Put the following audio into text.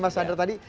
mas ander tadi